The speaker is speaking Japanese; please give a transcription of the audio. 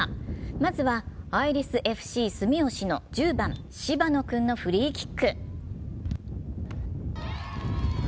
まずは、アイリスＦＣ住吉の１０番・芝野君のフリーキック。